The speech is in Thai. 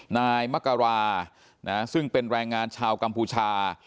นายมกราซึ่งเป็นแรงงานชาวกัมพูชา